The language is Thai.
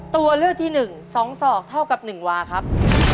ตัวเลือกที่๑๒ศอกเท่ากับ๑วาครับ